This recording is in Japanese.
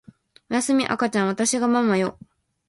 おやすみ赤ちゃんわたしがママよ